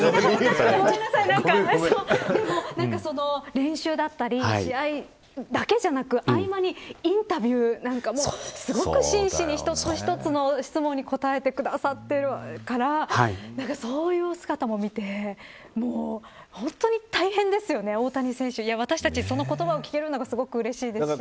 練習だったり試合だけじゃなく合間にインタビューなんかもすごく、真摯に一つ一つの質問に答えてくださってるからそういう姿も見て本当に大変ですよね、大谷選手。私たちそのことを聞けるのがすごくうれしいですし